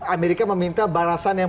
amerika meminta balasan yang